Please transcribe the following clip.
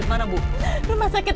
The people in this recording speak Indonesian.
bapak mau ke rumah sakit